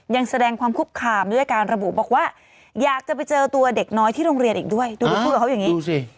ยังแสดงความคุกคามด้วยการระบุบอกว่าอยากจะไปเจอตัวเด็กน้อยที่โรงเรียนอีกด้วยดูพูดกับเขาอย่างนี้ดูสิ